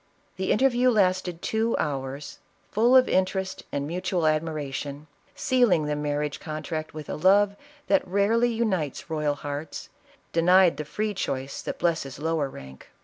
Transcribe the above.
The interview lasted two hours, full of interest and mutual admiration, sealing the marriage contract with a love that rarely unites royal hearts, denied the free choice that blesses lower rank.